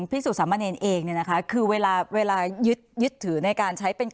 พิสูจน์สามเณรเองเนี่ยนะคะคือเวลาเวลายึดถือในการใช้เป็น